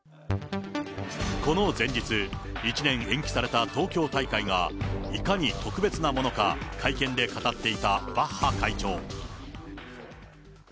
この前日、１年延期された東京大会がいかに特別なものか、会見で語っていたバッハ会長。